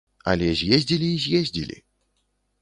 Але з'ездзілі і з'ездзілі.